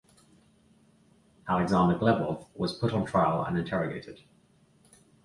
Alexander Glebov was put on trial and interrogated.